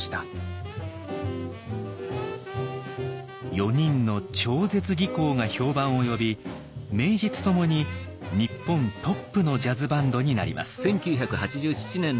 ４人の超絶技巧が評判を呼び名実ともに日本トップのジャズバンドになります。